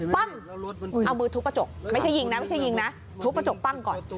ปั้งเอามือทุกกระจกไม่ใช่ยิงนะทุกกระจกปั้งก่อน